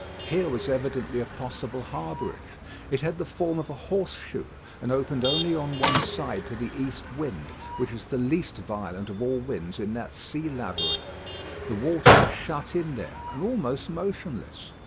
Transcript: Here was evidently a possible harbourage. It had the form of a horse shoe, and opened only on one side to the east wind, which is the least violent of all winds in that sea labyrinth. The water was shut in there, and almost motionless.